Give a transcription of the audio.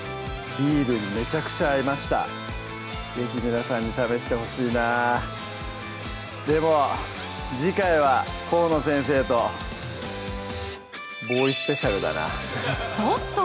ビールにめちゃくちゃ合いました是非皆さんに試してほしいなぁでも次回は河野先生とちょっと！